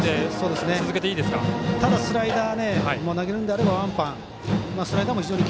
スライダー、投げるのであればワンバン。